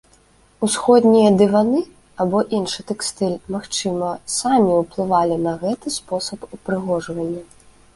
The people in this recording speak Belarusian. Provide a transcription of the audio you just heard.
Усходнія дываны або іншы тэкстыль, магчыма, самі уплывалі на гэты спосаб упрыгожвання.